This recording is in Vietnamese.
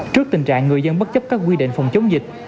trước tình trạng người dân bất chấp các quy định phòng chống dịch